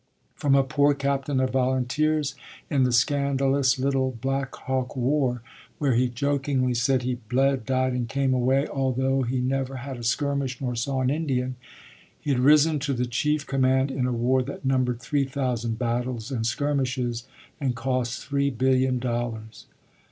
From a poor captain of volunteers in the scandalous little Black Hawk War, where he jokingly said he "bled, died, and came away," although he never had a skirmish nor saw an Indian, he had risen to the chief command in a war that numbered three thousand battles and skirmishes and cost three billion dollars.